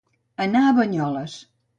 Anar a Banyoles.